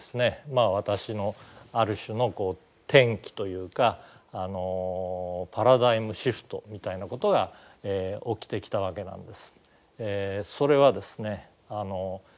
私のある種の転機というかパラダイムシフトみたいなことが起きてきたわけなんです。